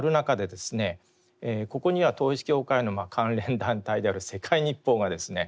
ここには統一教会の関連団体である世界日報がですね